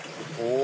お！